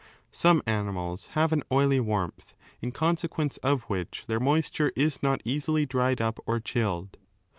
Some animals have an oily warmth, in consequence of which their moisture is not easily dried up or chilled.